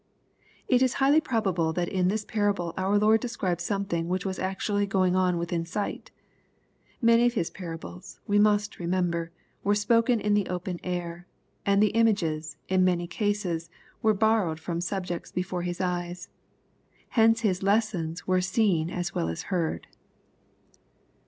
] It is highly probable that in this parable our Lord describes something which was actually going on VTithin sight Many of His parables^ we must remember, were spoken in the open air, and the images, in many cases, were borrowed from subjects before his eyes. Hence his lessons were seen as well as heard.